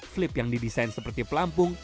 flip yang didesain seperti pelampung